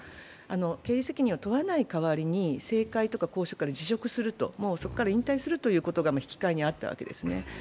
刑事責任を問わない代わりに政界とか公職から引退すると、もうそこから引退するということが引き換えにあったんですね。